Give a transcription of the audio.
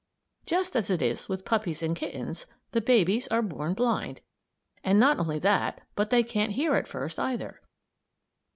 Just as it is with puppies and kittens, the babies are born blind; and not only that, but they can't hear at first, either.